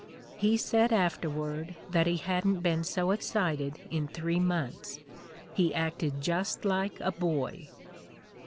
He said after ward that he hadn't been so excited in three months. He acted just like a boy."